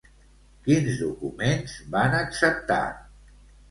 Quins documents van acceptar?